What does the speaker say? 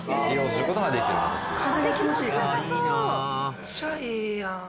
めっちゃいいやん。